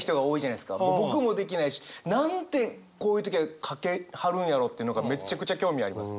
僕もできないし。なんてこういう時はかけはるんやろうっていうのがめちゃくちゃ興味あります。